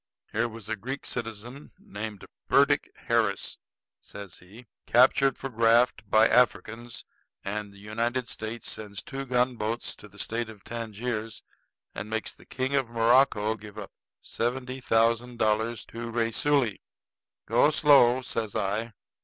Here was a Greek citizen named Burdick Harris," says he, "captured for a graft by Africans; and the United States sends two gunboats to the State of Tangiers and makes the King of Morocco give up seventy thousand dollars to Raisuli." "Go slow," says I.